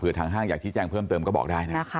เพื่อทางห้างอยากที่แจ้งเพิ่มเติมก็บอกได้นะครับ